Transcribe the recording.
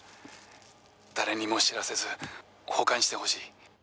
「誰にも知らせず保管してほしい」